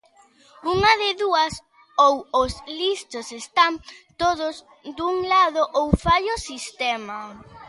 Unha de dúas, ou os listos están todos dun lado ou falla o sistema.